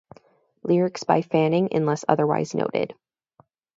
Lyrics by Fanning unless otherwise noted.